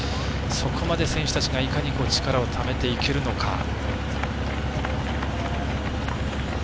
そこまで選手たちがいかに力をためていけるのか。